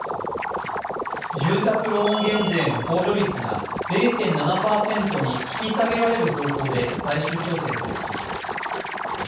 住宅ローン減税の控除率が０．７％に引き下げられる方向で最終調整されています。